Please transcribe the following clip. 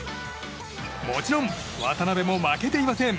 もちろん渡邊も負けていません。